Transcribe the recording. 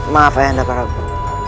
maaf ayah anda perhatikan